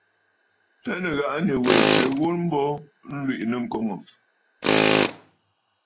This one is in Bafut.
Tâ nɨ̀ghàꞌà nì wè tswe ghu mbo, ǹlwìꞌì nɨ̂ŋkoŋə̀.